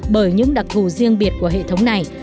bởi những đặc thù riêng biệt của hệ thống này